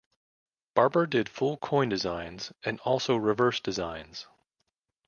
Barber did full coin designs and also reverse designs.